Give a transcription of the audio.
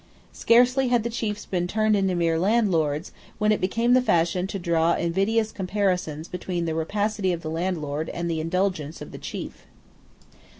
Scarcely had the chiefs been turned into mere landlords, when it became the fashion to draw invidious comparisons between the rapacity of the landlord and the indulgence of the chief.